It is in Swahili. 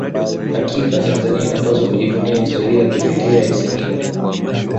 hakika tanzania inapaswa kujivunia historia ya kipekee ya isimila